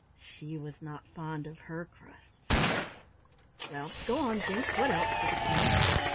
She was not fond of her crusts. "Well, go on, Jinks, what else?" said the Queen.